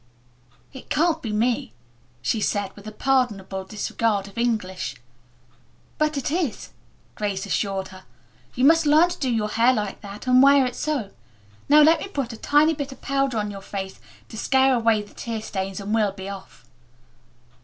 "It can't be me," she said with a pardonable disregard of English. "But it is," Grace assured her. "You must learn to do your hair like that and wear it so. Now let me put a tiny bit of powder on your face to scare away the tear stains and we'll be off."